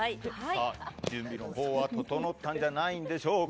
準備は整ったんじゃないでしょうか。